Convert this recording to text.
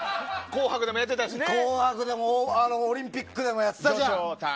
「紅白」でもオリンピックでもやってたから。